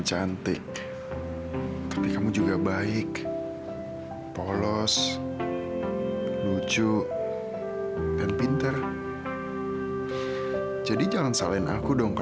sampai jumpa di video selanjutnya